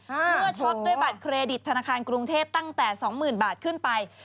เมื่อช็อปด้วยบัตรเครดิตธนาคารกรุงเทพตั้งแต่๒๐๐๐บาทขึ้นไป